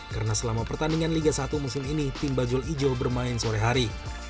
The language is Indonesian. karena selama pertandingan liga satu musim ini tim bajul ijo bermain sore hari